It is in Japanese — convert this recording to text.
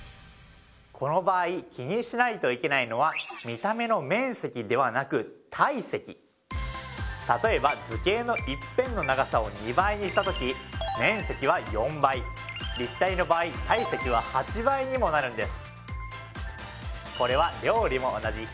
この場合気にしないといけないのは見た目の面積ではなく体積例えば図形の１辺の長さを２倍にした時面積は４倍立体の場合体積は８倍にもなるんです